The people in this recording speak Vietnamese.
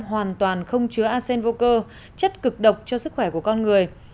hoàn toàn không chứa asen vô cơ chất cực độc cho sức khỏe của con người